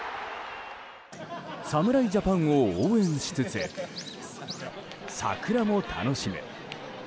侍ジャパンを応援しつつ桜も楽しむ。